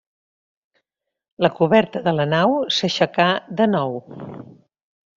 La coberta de la nau s'aixecà de nou.